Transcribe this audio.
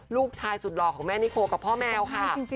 ลูกชายสุดหล่อของแม่นิโคกับพ่อแมวค่ะ